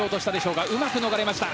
うまく逃れました。